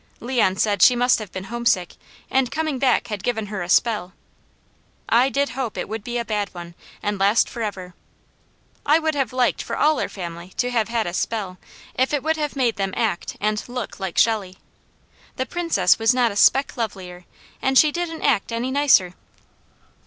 Leon said she must have been homesick and coming back had given her a spell. I did hope it would be a bad one, and last forever. I would have liked for all our family to have had a spell if it would have made them act and look like Shelley. The Princess was not a speck lovelier, and she didn't act any nicer.